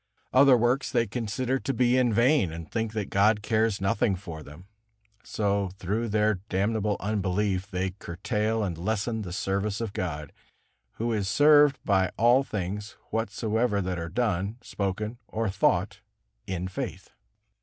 Other works they consider to be in vain, and think that God cares nothing for them. So through their damnable unbelief they curtail and lessen the service of God, Who is served by all things whatsoever that are done, spoken or thought in faith.